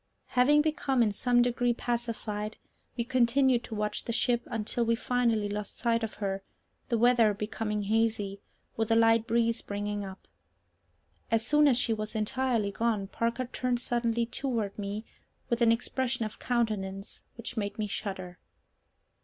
Having become in some degree pacified, we continued to watch the ship until we finally lost sight of her, the weather becoming hazy, with a light breeze springing up. As soon as she was entirely gone, Parker turned suddenly toward me with an expression of countenance which made me shudder.